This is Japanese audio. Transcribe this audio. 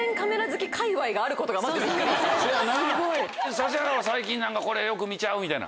指原は最近これよく見ちゃうみたいな。